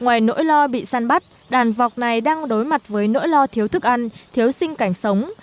ngoài nỗi lo bị săn bắt đàn vọc này đang đối mặt với nỗi lo thiếu thức ăn thiếu sinh cảnh sống